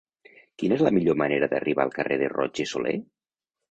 Quina és la millor manera d'arribar al carrer de Roig i Solé?